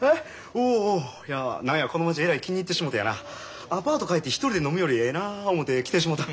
おおおおいや何やこの町えらい気に入ってしもてやなアパート帰って一人で飲むよりええなあ思て来てしもうた。